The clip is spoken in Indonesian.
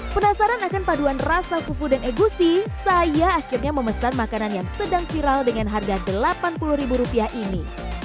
penasaran akan paduan rasa fufu dan egusi saya akhirnya memesan makanan yang sedang viral dengan harga rp delapan puluh ini